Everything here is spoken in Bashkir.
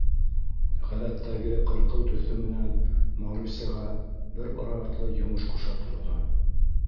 Ғәҙәттәге ҡырҡыу төҫө менән Марусяға бер-бер артлы йомош ҡуша торҙо.